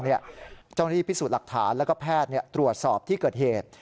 เจ้าหน้าที่พิสูจน์หลักฐานแล้วก็แพทย์ตรวจสอบที่เกิดเหตุ